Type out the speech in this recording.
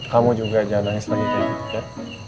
kamu juga jangan nyesel nikah gitu ya